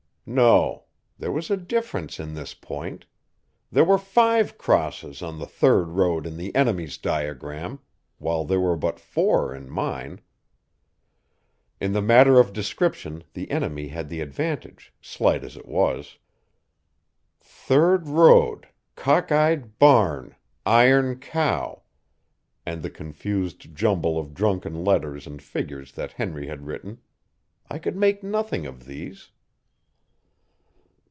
No there was a difference in this point; there were five crosses on the third road in the enemy's diagram, while there were but four in mine. In the matter of description the enemy had the advantage, slight as it was. "Third road cockeyed barn iron cow," and the confused jumble of drunken letters and figures that Henry had written I could make nothing of these.